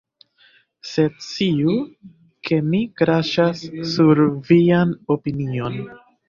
Sed sciu, ke mi kraĉas sur vian opinion!